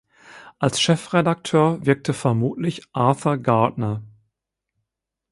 Als Chefredakteur wirkte vermutlich Arthur Gardner.